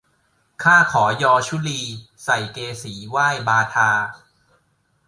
ข้าขอยอชุลี ใส่เกศีไหว้บาทา